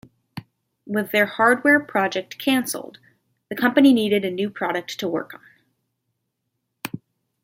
With their hardware project cancelled, the company needed a new product to work on.